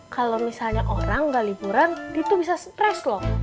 kalau misalnya orang enggak liburan dia tuh bisa stres loh